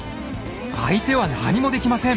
相手は何もできません！